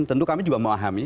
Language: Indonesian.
tentu kami juga memahami